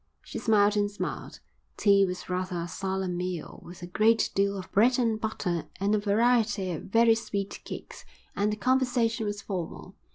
She smiled and smiled. Tea was rather a solemn meal, with a great deal of bread and butter and a variety of very sweet cakes, and the conversation was formal.